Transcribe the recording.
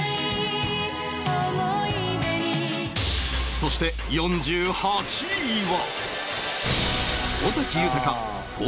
そして４８位は